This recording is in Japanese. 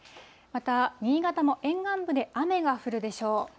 また、新潟も沿岸部で雨が降るでしょう。